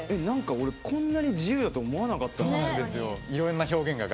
俺、こんな自由だと思わなかったんですよ。